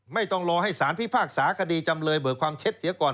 ไม่ต้องรอให้สารพิพากษาคดีจำเลยเบิกความเท็จเสียก่อน